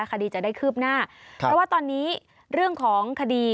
คดีจะได้คืบหน้าเพราะว่าตอนนี้เรื่องของคดี